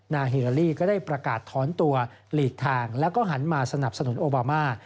ฮิลาลีก็ได้ประกาศถอนตัวหลีกทางแล้วก็หันมาสนับสนุนโอบามา